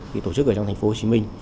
bị tổ chức ở trong thành phố hồ chí minh